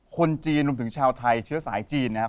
คนจีนรวมถึงชาวไทยเชื้อสายจีนนะครับ